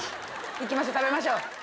行きましょう食べましょう。